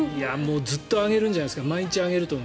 ずっと上げるんじゃないですか。